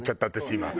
私今。